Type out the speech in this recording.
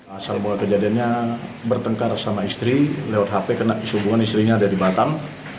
asal bahwa kejadiannya bertengkar sama istri lewat hp karena hubungan istrinya ada di batam